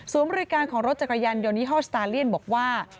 บริการของรถจักรยานยนยี่ห้อสตาเลียนบอกว่า